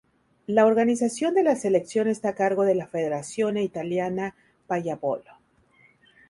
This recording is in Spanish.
La organización de la selección está a cargo de la Federazione Italiana Pallavolo.